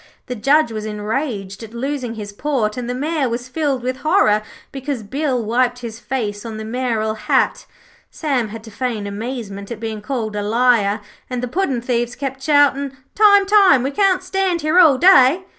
The Judge was enraged at losing his port, and the Mayor was filled with horror because Bill wiped his face on the mayoral hat. Sam had to feign amazement at being called a liar, and the puddin' thieves kept shouting: 'Time, time; we can't stand here all day.'